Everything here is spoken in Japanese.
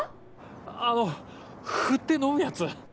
あの振って飲むやつ。